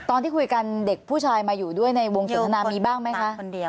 ตอนที่คุยกันเด็กผู้ชายมาอยู่ด้วยในวงสนทนามีบ้างไหมคะ